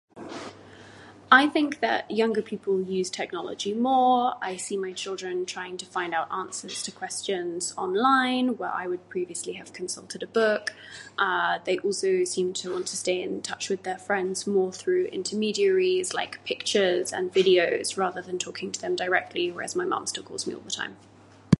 I think that younger people use technology more I see my children trying to find out answers to questions online where I would previously have consulted a book they also seem to want to stay in touch with their friends more through intermediaries like pictures and videos rather than talking to them directly where as my mom still calls me all the time.